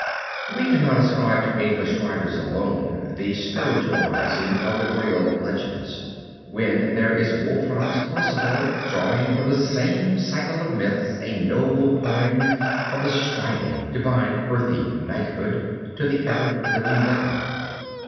We cannot ascribe to English writers alone the spiritualizing of the Grail Legends, when there is Wolfram's "Parzival" drawing from the same cycle of myths a noble poem of the striving to bind earthly knighthood to the ever living God.